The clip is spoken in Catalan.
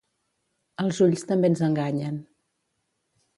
Els ulls també ens enganyen.